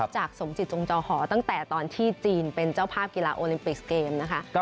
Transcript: สมจิตจงจอหอตั้งแต่ตอนที่จีนเป็นเจ้าภาพกีฬาโอลิมปิกเกมนะคะ